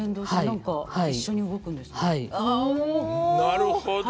なるほどね。